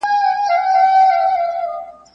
ایا دا ممکنه ده چې موږ په مریخ کې ژوند وکړو؟